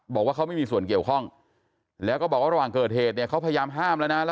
บอกว่าเขาไม่มีส่วนเกี่ยวข้องแล้วก็บอกว่าระหว่างเกิดเหตุเนี่ยเขาพยายามห้ามแล้วนะ